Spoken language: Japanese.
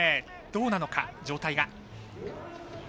どうなのか、状態が。